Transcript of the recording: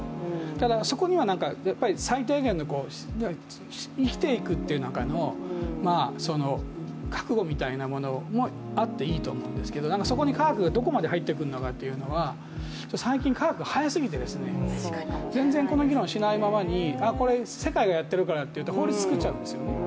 ただそこにはやっぱり最低限の生きていくっていう中の覚悟みたいなものもあっていいと思うんですけどそこに科学がどこまで入ってくるのかというのが、最近科学が早すぎて全然この議論をしないままにこれ、世界がやってるからって法律作っちゃうんですよね。